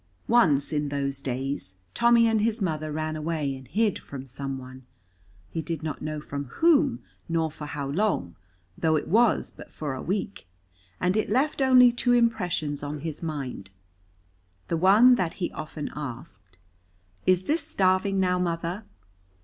Once in those days Tommy and his mother ran away and hid from some one. He did not know from whom nor for how long, though it was but for a week, and it left only two impressions on his mind, the one that he often asked, "Is this starving now, mother?"